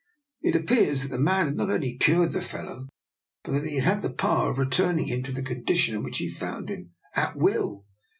It appears that the man had not only cured the fellow, but that he had the power of returning him to the condition in which he found him, at will.